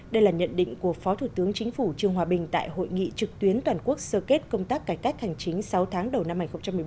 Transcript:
đây là nhận định của phó thủ tướng chính phủ trương hòa bình tại hội nghị trực tuyến toàn quốc sơ kết công tác cải cách hành chính sáu tháng đầu năm hai nghìn một mươi bốn